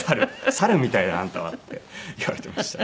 猿みたいだあんたはって言われていました。